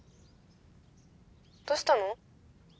☎どうしたの？